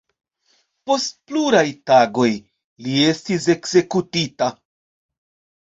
Post pluraj tagoj li estis ekzekutita.